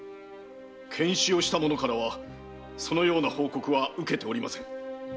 検死をした者からはそのような報告は受けておりません。